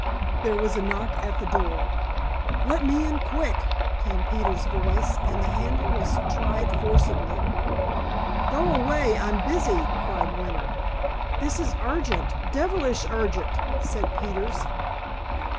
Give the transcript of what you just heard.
There was a knock at the door. "Let me in, quick!" came Peters's voice, and the handle was tried forcibly. "Go away! I'm busy!" cried Winter. "This is urgent, devilish urgent," said Peters.